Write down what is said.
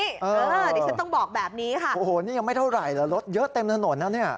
เดี๋ยวฉันต้องบอกแบบนี้ค่ะโอ้โหนี่ยังไม่เท่าไหร่เหรอรถเยอะเต็มถนนนะเนี่ย